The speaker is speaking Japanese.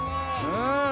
うん。